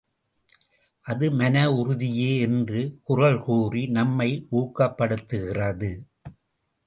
அது மனஉறுதியே என்று குறள் கூறி நம்மை ஊக்கப்படுத்துகிறது.